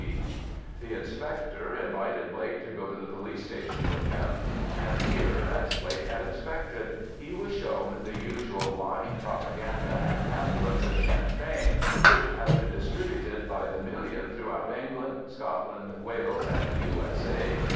C. The inspector invited Blake to go to the police station with him, and here, as Blake had expected, he was shown the usual lying propaganda and pamphlets of Sinn Fein, which have been distributed by the million throughout England, Scotland, Wales, and the U.S.A.